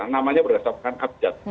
namanya berdasarkan abjad